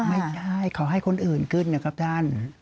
ไม่ใช่เขาให้คนอื่นขึ้นนะครับท่าน